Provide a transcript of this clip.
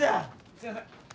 すみません！